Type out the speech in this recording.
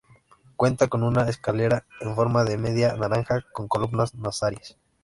Cuenta con una escalera, en forma de media naranja con columnas nazaríes.